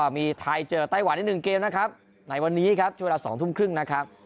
มีไทยเจอไต้หวันใน๑เกมนะครับในวันนี้ครับช่วงเวลา๒ทุ่มครึ่งนะครับ